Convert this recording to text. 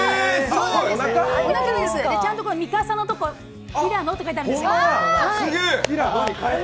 ちゃんとミカサのところをＨＩＲＡＮＯって書いてあるんですよ。